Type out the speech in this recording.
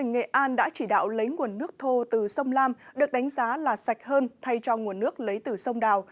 nghệ an đã chỉ đạo lấy nguồn nước thô từ sông lam được đánh giá là sạch hơn thay cho nguồn nước lấy từ sông đào